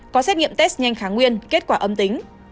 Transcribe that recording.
có xét nghiệm test nhanh kháng nguyên kết quả âm tính